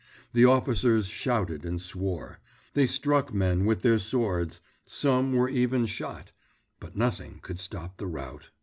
The officers shouted and swore, they struck men with their swords, some were even shot, but nothing could stop the rout.